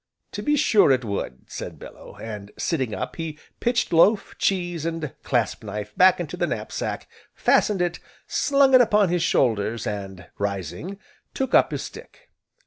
"To be sure it would," said Bellew, and, sitting up, he pitched loaf, cheese, and clasp knife back into the knap sack, fastened it, slung it upon his shoulders, and rising, took up his stick.